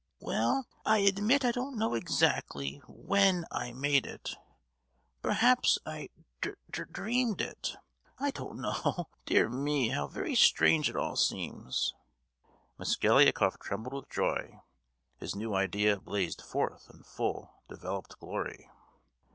"Well, I admit I don't know exactly when I made it! Perhaps I dre—dreamed it; I don't know. Dear me, how very strange it all seems!" Mosgliakoff trembled with joy: his new idea blazed forth in full developed glory.